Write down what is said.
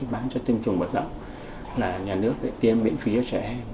bán cho tinh trùng bật rộng là nhà nước tiêm miễn phí cho trẻ em